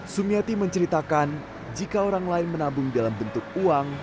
sumiati menceritakan jika orang lain menabung dalam bentuk uang